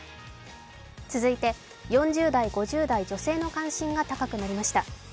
続いて４０代、５０代女性の関心が高くなりました。